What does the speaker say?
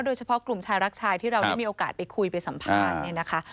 โดยเฉพาะกลุ่มชายรักชายที่เราได้มีโอกาสไปคุยไปสัมภาษณ์เนี่ยนะคะ